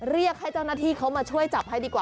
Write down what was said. เรียกให้เจ้าหน้าที่เขามาช่วยจับให้ดีกว่า